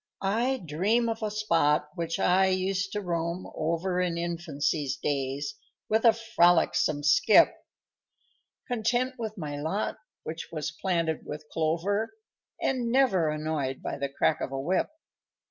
_I dream of a spot which I used to roam over In infancy's days, with a frolicsome skip, Content with my lot, which was planted with clover, And never annoyed by the crack of a whip.